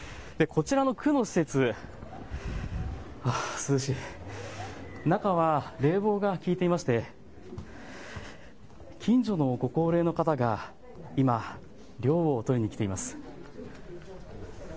こちらの区の施設、中は冷房が利いてまして近所のご高齢の方が今、涼を取りに来ています。